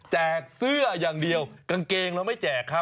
เสื้ออย่างเดียวกางเกงเราไม่แจกครับ